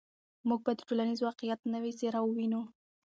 موږ به د ټولنیز واقعیت نوې څېره ووینو.